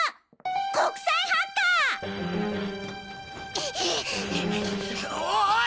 国際ハッカー！おおい！